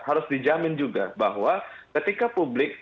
harus dijamin juga bahwa ketika publik